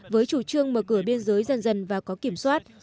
với chủ trương mở cửa biên giới dần dần và có kiểm soát